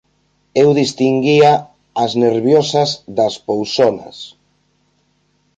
Eu distinguía as nerviosas das pousonas.